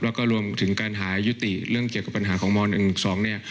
แล้วก็รวมถึงการหายุติเรื่องเกี่ยวกับปัญหาของม๑๑๒เนี่ย